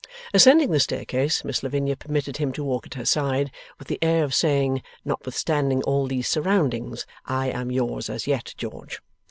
Ascending the staircase, Miss Lavinia permitted him to walk at her side, with the air of saying: 'Notwithstanding all these surroundings, I am yours as yet, George.